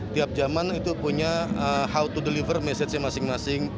tiap zaman itu punya how to deliver message nya masing masing